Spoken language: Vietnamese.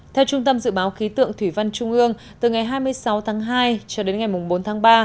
theo trung tâm dự báo khí tượng thủy văn trung ương từ ngày hai mươi sáu tháng hai cho đến ngày bốn tháng ba